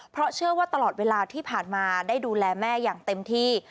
เพราะเชื่อว่าตลอดเวลาที่ผ่านมาได้ดูแลแม่อย่างเต็มที่